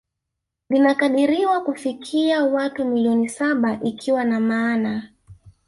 Linakadiriwa kufikia watu milioni saba ikiwa na maana